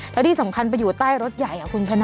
แล้วที่สำคัญไปอยู่ใต้รถใหญ่คุณชนะ